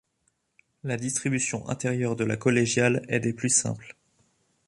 La distribution intérieure de la collégiale est des plus simples.